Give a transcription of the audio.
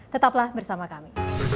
tetaplah bersama kami